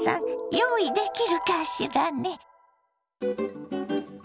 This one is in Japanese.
用意できるかしらね？